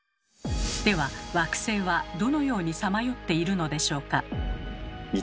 では惑星はどのようにさまよっているのでしょうか？